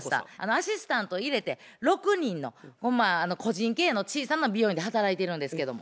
アシスタント入れて６人のまあ個人経営の小さな美容院で働いてるんですけども。